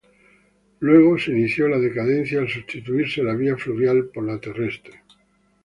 Luego se inició la decadencia al sustituirse la vía fluvial por la terrestre.